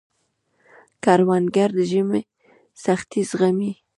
کروندګر د ژمي سختۍ زغمي